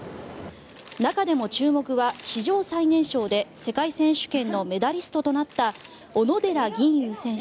中でも注目は史上最年少で世界選手権のメダリストとなった小野寺吟雲選手。